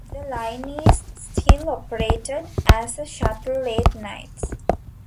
The line is still operated as a shuttle late nights.